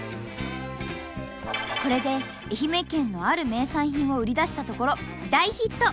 これで愛媛県のある名産品を売り出したところ大ヒット！